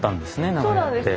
長屋って。